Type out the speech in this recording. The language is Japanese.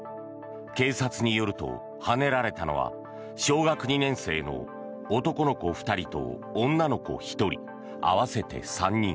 警察によるとはねられたのは小学２年生の男の２人と女の子１人の合わせて３人。